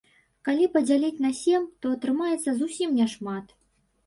Калі падзяліць на сем, то атрымаецца зусім няшмат.